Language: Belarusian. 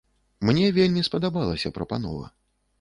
Мне вельмі спадабалася прапанова.